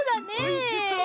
おいしそう。